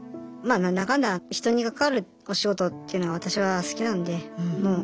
まあ何だかんだ人に関わるお仕事っていうのは私は好きなんで。